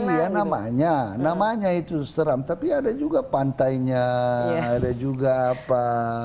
iya namanya namanya itu seram tapi ada juga pantainya ada juga apa